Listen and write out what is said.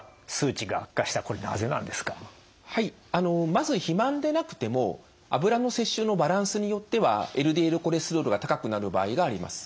まず肥満でなくても脂の摂取のバランスによってはＬＤＬコレステロールが高くなる場合があります。